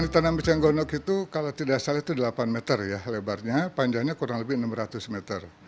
tanam peceng gondok itu kalau tidak salah itu delapan meter ya lebarnya panjangnya kurang lebih enam ratus meter